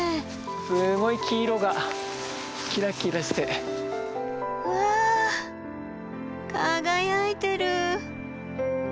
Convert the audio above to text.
すごい黄色がキラキラして。わ輝いてる！